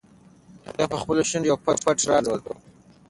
هغې په خپلو شونډو یو پټ راز درلود.